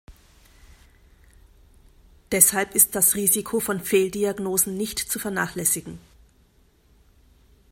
Deshalb ist das Risiko von Fehldiagnosen nicht zu vernachlässigen.